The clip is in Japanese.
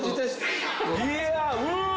いやうわ。